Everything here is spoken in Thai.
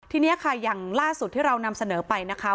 ทีนี้ค่ะอย่างล่าสุดที่เรานำเสนอไปนะคะ